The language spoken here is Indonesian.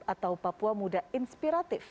atau papua muda inspiratif